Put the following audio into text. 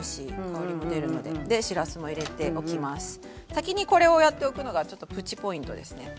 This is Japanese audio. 先にこれをやっておくのがちょっとプチポイントですね。